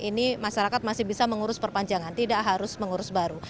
ini masyarakat masih bisa mengurus perpanjangan tidak harus mengurus baru